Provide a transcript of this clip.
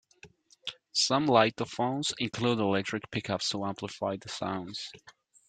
Some lithophones include electric pickups to amplify the sounds.